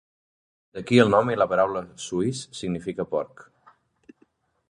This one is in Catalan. D'aquí el nom i la paraula "suis" significa porc.